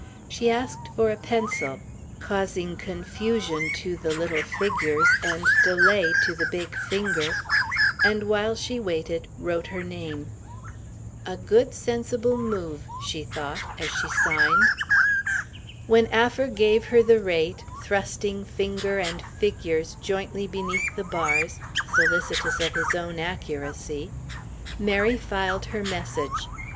She asked for a pencil causing confusion to the little figures and delay to the big finger and, while she waited, wrote her name. "A good, sensible move," she thought, as she signed. When Affer gave her the rate, thrusting finger and figures jointly beneath the bars, solicitous of his own accuracy, Mary filed her message.